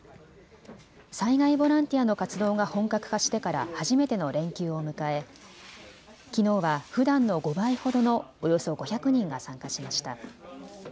災害ボランティアの活動が本格化してから初めての連休を迎えきのうはふだんの５倍ほどのおよそ５００人が参加しました。